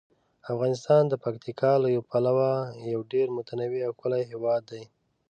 افغانستان د پکتیکا له پلوه یو ډیر متنوع او ښکلی هیواد دی.